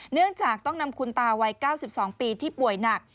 เนื่องจากต้องนำคุณตาวัย๙๒ปีที่ป่วยหนัก